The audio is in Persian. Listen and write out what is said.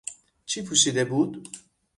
چی پوشیده بود؟